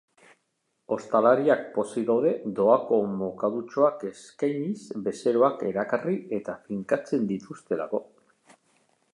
Ostalariak pozik daude doako mokadutxoak eskainiz bezeroak erakarri eta finkatzen dituztelako.